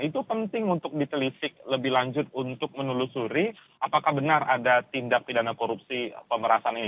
itu penting untuk ditelisik lebih lanjut untuk menelusuri apakah benar ada tindak pidana korupsi pemerasan ini